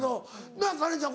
なっカレンちゃん